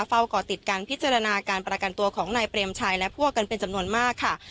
ก่อติดการพิจารณาการประกันตัวของนายเปรมชัยและพวกกันเป็นจำนวนมากค่ะ